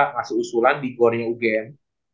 masih usulan di goernya ugm